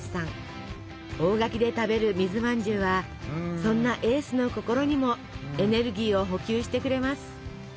大垣で食べる水まんじゅうはそんなエースの心にもエネルギーを補給してくれます。